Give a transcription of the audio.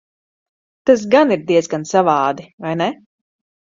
Tas gan ir diezgan savādi, vai ne?